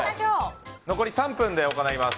残り３分で行います。